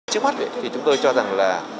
trước mắt thì chúng tôi cho rằng